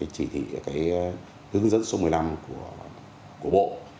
chỉ thị hướng dẫn số một mươi năm của bộ